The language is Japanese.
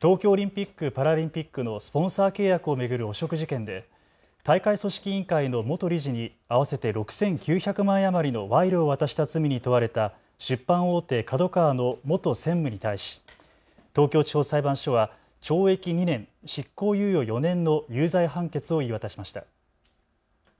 東京オリンピック・パラリンピックのスポンサー契約を巡る汚職事件で大会組織委員会の元理事に合わせて６９００万円余りの賄賂を渡した罪に問われた出版大手ＫＡＤＯＫＡＷＡの元専務に対し東京地方裁判所は懲役２年、執行猶予４年の有罪判決を言い渡しました。